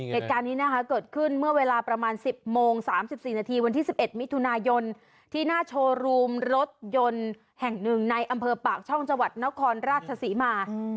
เหตุการณ์นี้นะคะเกิดขึ้นเมื่อเวลาประมาณ๑๐โมง๓๔นาทีวันที่๑๑มิถุนายนที่หน้าโชว์รูมรถยนต์แห่งหนึ่งในอำเภอปากช่องจังหวัดนครราชศรีมา